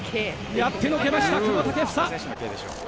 やってのけました、久保建英。